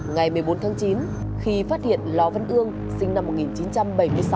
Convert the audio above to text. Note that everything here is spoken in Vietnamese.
ngày một mươi bốn tháng chín khi phát hiện lò văn ương sinh năm một nghìn chín trăm bảy mươi sáu